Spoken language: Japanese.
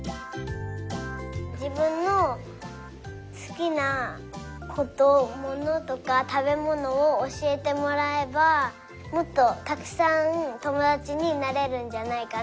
じぶんのすきなことものとかたべものをおしえてもらえばもっとたくさんともだちになれるんじゃないかなっておもいます。